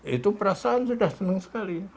itu perasaan sudah senang sekali